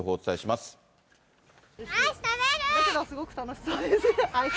すごく楽しそうですね。